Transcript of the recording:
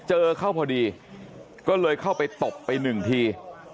เจอเขาพอดีก็เลยเข้าไปตบไปหนึ่งที